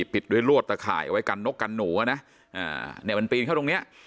ปิดด้วยลวดตะข่ายเอาไว้กันนกกันหนูอ่ะนะเนี่ยมันปีนเข้าตรงเนี้ย